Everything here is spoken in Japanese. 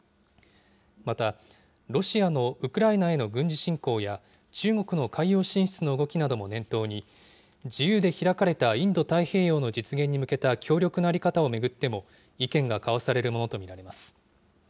また、ロシアのウクライナへの軍事侵攻や、中国の海洋進出の動きなども念頭に、自由で開かれたインド太平洋の実現に向けた協力の在り方を巡っても、意見が交わされるものと見られます。